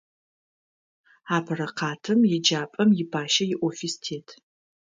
Апэрэ къатым еджапӏэм ипащэ иофис тет.